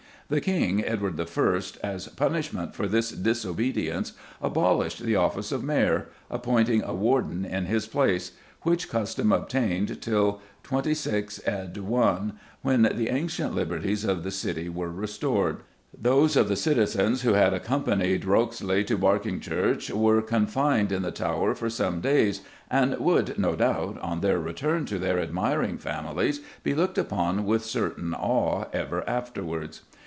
The King, Edward I., as punishment for this disobedience, "abolished the office of Mayor, appointing a Warden in his place; which custom obtained till 26 Ed. I., when the ancient liberties of the City were restored." Those of the citizens "who had accompanied Rokesly to Berkyngechurche" were confined in the Tower for some days and would, no doubt, on their return to their admiring families, be looked upon with a certain awe ever afterwards.